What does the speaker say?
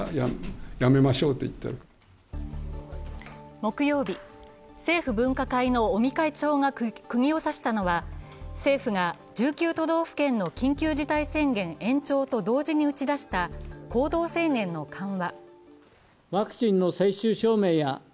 木曜日、政府分科会の尾身会長がくぎを刺したのは政府が１９都道府県の緊急事態宣言の延長と同時に打ち出した行動制限の緩和。